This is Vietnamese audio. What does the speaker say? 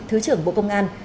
thứ trưởng bộ công an